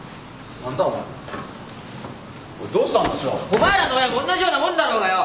お前らの親もおんなじようなもんだろうがよ！